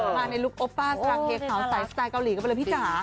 มาในลูกโอปป้าสลักเทศเขาใสสไตล์เกาหลีก็ไปเลยพี่จ๋า